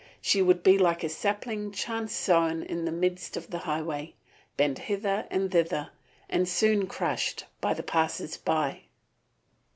She would be like a sapling chance sown in the midst of the highway, bent hither and thither and soon crushed by the passers by.